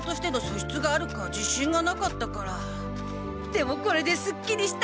でもこれですっきりした！